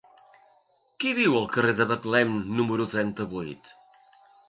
Qui viu al carrer de Betlem número trenta-vuit?